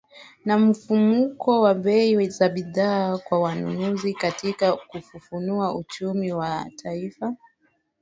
na mfumuko wa bei za bidhaa kwa wanunuzi katika kufufua uchumi wa taifa